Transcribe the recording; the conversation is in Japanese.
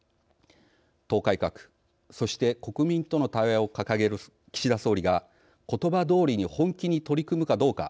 党改革そして国民との対話を掲げる岸田総理が、ことばどおりに本気に取り組むかどうか。